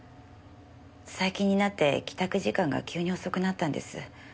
最近になって帰宅時間が急に遅くなったんです。